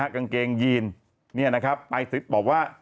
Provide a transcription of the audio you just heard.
กางเกงยีนเนี่ยนะไปสฤทธิ์บอกว่า